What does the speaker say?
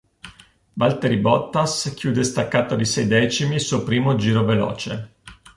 Valtteri Bottas chiude staccato di sei decimi il suo primo giro veloce.